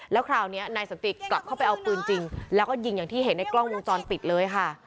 แล้วคราวนี้นายสันติกลับเข้าไปเอาปืนจริงแล้วก็ยิงอย่างที่เห็นในกล้องวงจรปิดเลยค่ะ